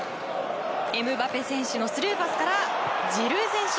エムバペ選手のスルーパスからジルー選手！